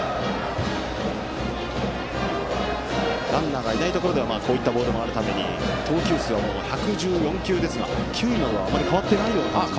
ランナーがいないところではこういったボールもあるために投球数は、もう１１４球ですが球威は変わっていないですか？